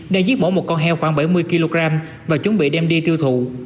đang giết mổ một con heo khoảng bảy mươi kg và chuẩn bị đem đi tiêu thụ